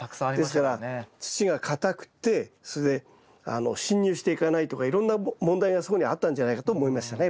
ですから土がかたくてそれで進入していかないとかいろんな問題がそこにあったんじゃないかと思いましたね